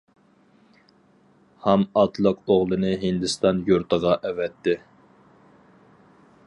ھام ئاتلىق ئوغلىنى ھىندىستان يۇرتىغا ئەۋەتتى.